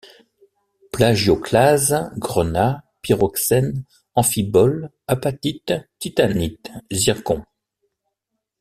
Plagioclase, grenat, pyroxènes, amphiboles, apatite, titanite, zircon.